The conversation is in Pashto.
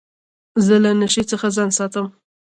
زه له نشې څخه ځان ساتم.